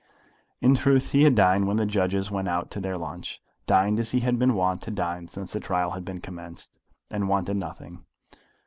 In truth he had dined when the judges went out to their lunch, dined as he had been wont to dine since the trial had been commenced, and wanted nothing.